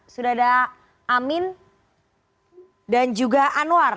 sudada amin dan juga anwar